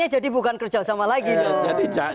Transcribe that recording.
jadi bukan kerja sama lagi loh